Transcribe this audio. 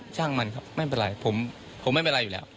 ช่างมันครับไม่เป็นไรผมไม่เป็นไรอยู่แล้ว